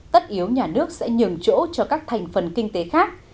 tất yếu nhà nước sẽ nhường chỗ cho các thành phần kinh tế khác